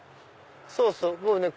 そうそう。